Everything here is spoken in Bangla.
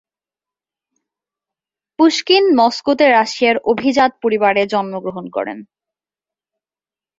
পুশকিন মস্কোতে রাশিয়ার অভিজাত পরিবারে জন্মগ্রহণ করেন।